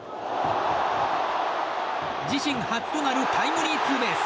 自身初となるタイムリーツーベース！